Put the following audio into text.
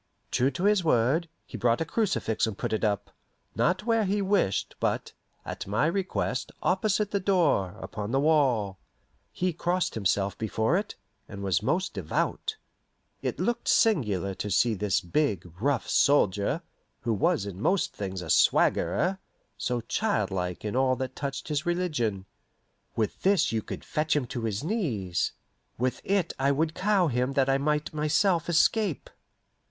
True to his word, he brought a crucifix and put it up not where he wished, but, at my request, opposite the door, upon the wall. He crossed himself before it, and was most devout. It looked singular to see this big, rough soldier, who was in most things a swaggerer, so childlike in all that touched his religion. With this you could fetch him to his knees; with it I would cow him that I might myself escape.